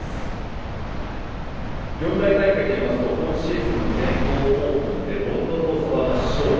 四大大会でいいますと今シーズンの全豪オープンでボンドロウソバが勝利。